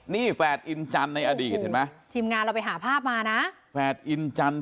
นี่แฝดอินจันทร์ในอดีตเห็นไหมทีมงานเราไปหาภาพมานะแฝดอินจันทร์